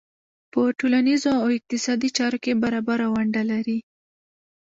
په ټولنیزو او اقتصادي چارو کې برابره ونډه لري.